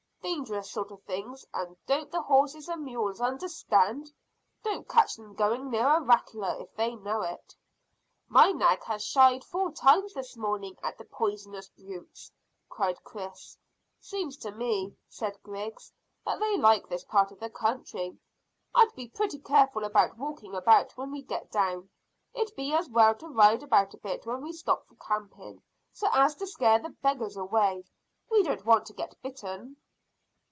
Dangerous sort of things, and don't the horses and mules understand! Don't catch them going near a rattler if they know it." "My nag has shied four times this morning at the poisonous brutes," said Chris. "Seems to me," said Griggs, "that they like this part of the country. I'd be pretty careful about walking about when we get down. It'd be as well to ride about a bit when we stop for camping, so as to scare the beggars away. We don't want to get bitten."